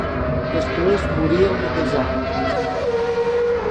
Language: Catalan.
Després morí el mateix any.